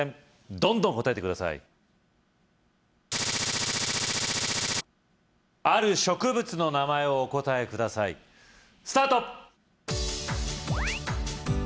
どんどん答えて下さいある植物の名前をお答えくださいスタート